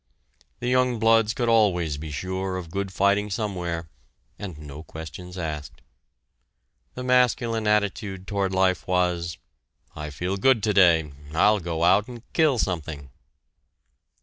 The young bloods could always be sure of good fighting somewhere, and no questions asked. The masculine attitude toward life was: "I feel good today; I'll go out and kill something."